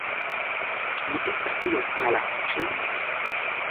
Mi estas iom pala, ĉu ne?